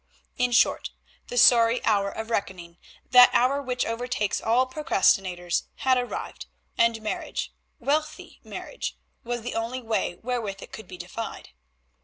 In short, the sorry hour of reckoning, that hour which overtakes all procrastinators, had arrived, and marriage, wealthy marriage, was the only way wherewith it could be defied.